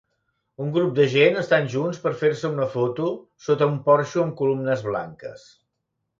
Un grup de gent estan junts per fer-se una foto sota un porxo amb columnes blanques.